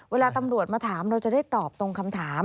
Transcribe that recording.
เวลาตำรวจมาถามเราจะได้ตอบตรงคำถาม